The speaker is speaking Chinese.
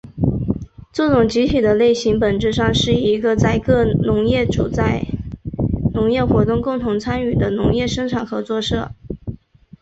这种集体的类型本质上是一个在各农业主在农业活动共同参与的农业生产合作社。